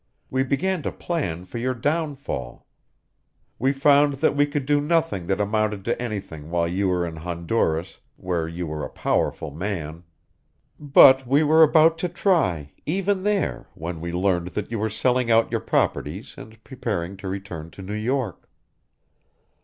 We began to plan for your downfall. We found that we could do nothing that amounted to anything while you were in Honduras, where you were a powerful man. But we were about to try, even there, when we learned that you were selling out your properties and preparing to return to New York.